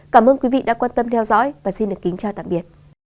cảm ơn quý vị đã quan tâm theo dõi và xin được kính chào tạm biệt